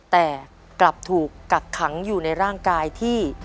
แต่กลับถูกกักขังอยู่ในร่างกายที่